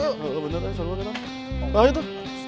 ayolah bener bener saruah kita